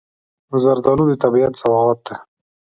زردالو د طبیعت سوغات دی.